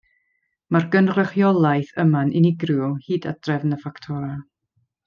Mae'r gynrychiolaeth yma'n unigryw hyd at drefn y ffactorau.